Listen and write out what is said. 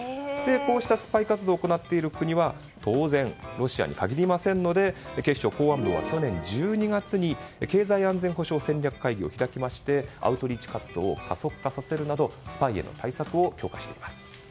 こうしたスパイ活動を行っている国は当然ロシアに限りませんので警視庁公安部は、去年１２月に経済安全保障戦略会議を開いてアウトリーチ活動を加速化させるなどスパイへの対策を強化しています。